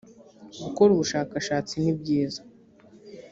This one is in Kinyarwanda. gukora ubushakashatsi nibyiza